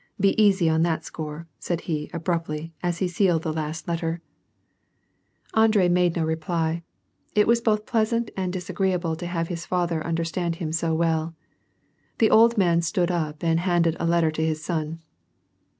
Be easy on that score," said he abruptly, as he sealed the last letter. 128 WAR AND Andrei made no reply : it was both pleasant and disagreear ble to have his father understand him so well The old man stood up and handed a letter to his son.